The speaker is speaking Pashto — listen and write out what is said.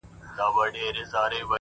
سوال کوم کله دي ژړلي گراني ـ